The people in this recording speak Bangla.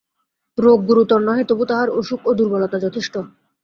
রোগ গুরুতর নহে, তবু তাহার অসুখ ও দুর্বলতা যথেষ্ট।